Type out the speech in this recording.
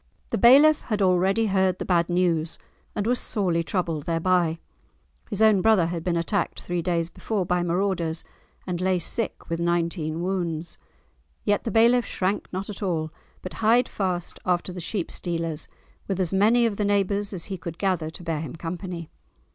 The bailiff had already heard the bad news, and was sorely troubled thereby. His own brother had been attacked three days before by marauders, and lay sick with nineteen wounds. Yet the bailiff shrank not at all, but hied fast after the sheep stealers, with as many of the neighbours as he could gather to bear him company.